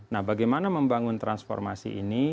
nah bagaimana membangun transformasi ini